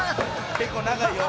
結構長いよ。